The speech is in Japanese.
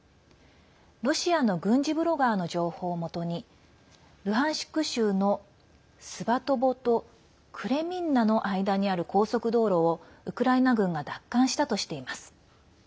ロシアの軍事ブロガーの情報をもとにルハンシク州のスバトボとクレミンナの間にある高速道路をウクライナ軍が奪還したとしています。